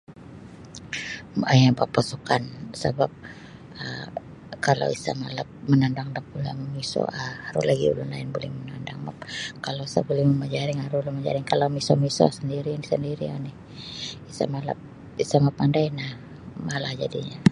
Ai bapasukan sabap um kalau isa malap manandang da bula' mamiso um aru lagi ulun lain buli manandang map kalau isa buli mamajaring aru ulun mamajaring kalau miso-miso sendiri sendiri oni sa malap sa mapandai ino malah jadinyo.